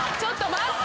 待って。